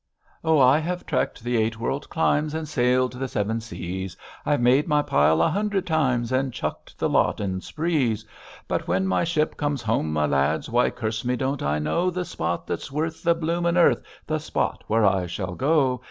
'Oh, I have treked the eight world climes, And sailed the seven seas: I've made my pile a hundred times, And chucked the lot on sprees. But when my ship comes home, my lads, Why, curse me, don't I know The spot that's worth, the blooming earth, The spot where I shall go.